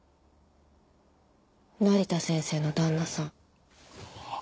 成田先生の旦那さん。